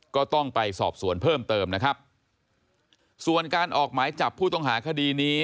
ก็ต้องไปสอบสวนเพิ่มเติมนะครับส่วนการออกหมายจับผู้ต้องหาคดีนี้